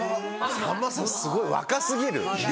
さんまさんすごい！若過ぎる。